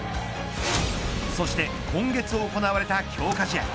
そして今月行われた強化試合